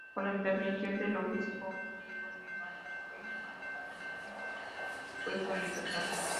Por la intervención del obispo Diego de Landa fue más tarde puesto en libertad.